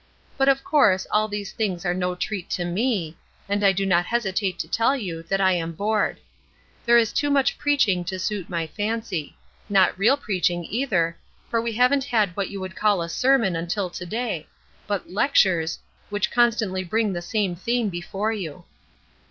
But, of course, all these things are no treat to me, and I do not hesitate to tell you that I am bored. There is too much preaching to suit my fancy not real preaching, either, for we haven't had what you could call a sermon until to day, but lectures, which constantly bring the same theme before you.